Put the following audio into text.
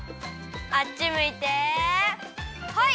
あっちむいてホイ！